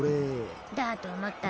だと思った。